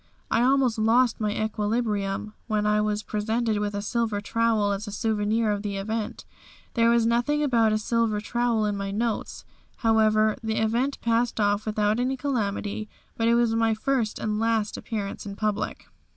I almost lost my equilibrium when I was presented with a silver trowel as a souvenir of the event. There was nothing about a silver trowel in my notes. However, the event passed off without any calamity but it was my first and last appearance in public.